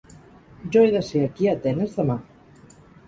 Jo he de ser aquí a Atenes, demà.